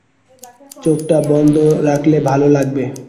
চোখটা বন্ধ রাখলে ভালো লাগবে।